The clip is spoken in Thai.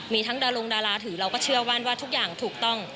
มีทั้งดารงดาราถือเราก็เชื่อมั่นว่าทุกอย่างถูกต้อง